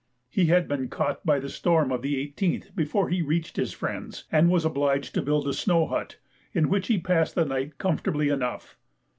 He had been caught by the storm of the 18th before he reached his friends, and was obliged to build a snow hut, in which he passed the night comfortably enough.